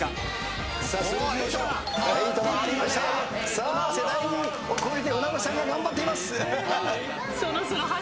さあ世代を超えて船越さんが頑張っています。